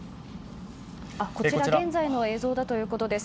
こちら現在の映像だということです。